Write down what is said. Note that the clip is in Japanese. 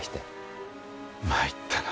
まいったな。